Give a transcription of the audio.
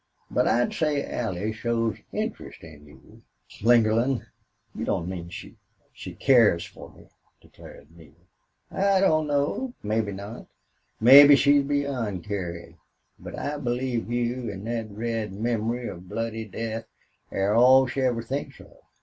"But I'd say Allie shows interest in you." "Slingerland! You don't mean she she cares for me?" demanded Neale. "I don't know. Mebbe not. Mebbe she's beyond carin'. But I believe you an' thet red memory of bloody death air all she ever thinks of.